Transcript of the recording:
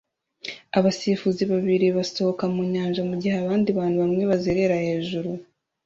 Abasifuzi babiri basohoka mu nyanja mugihe abandi bantu bamwe bazerera hejuru